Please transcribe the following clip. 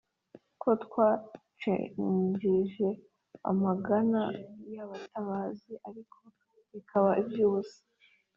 ko twacengeje amagana y’abatabazi ariko bikaba iby’ubusa,